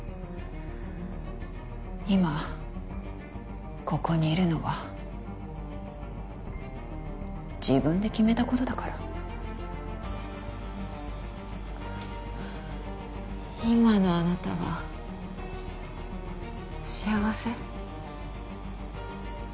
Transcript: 今ここにいるのは自分で決めたことだから今のあなたは幸せ？